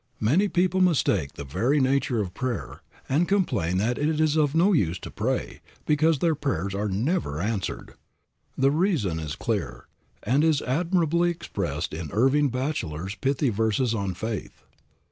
Many people mistake the very nature of prayer, and complain that it is no use to pray, because their prayers are never answered. The reason is clear, and is admirably expressed in Irving Bacheller's pithy verses on "Faith."